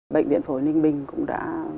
bệnh viện phổi ninh bình cũng đã